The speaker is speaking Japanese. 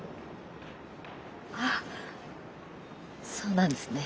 あっそうなんですね。